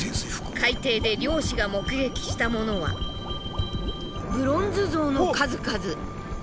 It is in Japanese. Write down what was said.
海底で漁師が目撃したものはブロンズ像の数々。